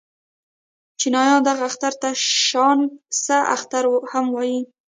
چينایان دغه اختر ته شانګ سه اختر هم وايي.